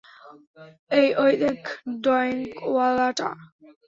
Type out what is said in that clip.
এই, ঐ দেখ, ডয়েঙ্কওয়ালাটা।